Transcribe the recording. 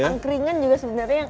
angkringan juga sebenarnya